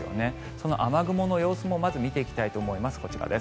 その雨雲の様子もまず見ていきたいと思います。